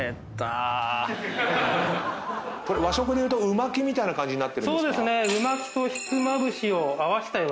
和食でいうとうまきみたいな感じになってるんですか？